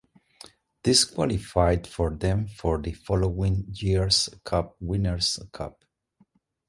This qualified for them for the following year's Cup Winner's Cup.